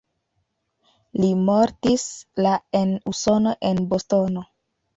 Li mortis la en Usono en Bostono.